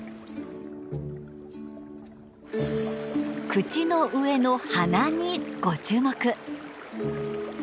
口の上の鼻にご注目。